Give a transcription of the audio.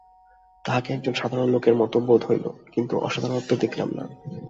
তাঁহাকে একজন সাধারণ লোকের মত বোধ হইল, কিছু অসাধারণত্ব দেখিলাম না।